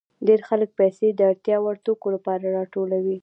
ډېر خلک پیسې د اړتیا وړ توکو لپاره راټولوي